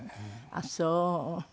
ああそう。